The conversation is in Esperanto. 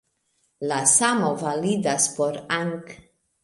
La samo validas por ang.